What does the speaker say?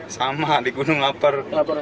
sama di gunung lapar